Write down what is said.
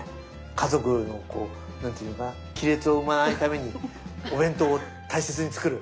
家族のこう何ていうのかな亀裂を生まないためにお弁当を大切に作る。